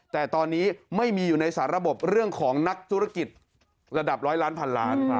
แต่ตอนนี้ไม่มีอยู่ในสาระบบเรื่องของนักธุรกิจระดับร้อยล้านพันล้าน